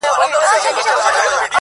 زما و فكر ته هـا سـتا د كور كوڅـه راځي.